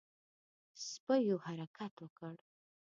سپيو حرکت وکړ.